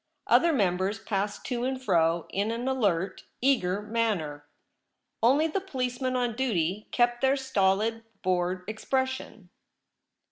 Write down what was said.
Other members passed to and fro in an alert, eager manner. Only the policemen on duty kept their stolid, bored expression.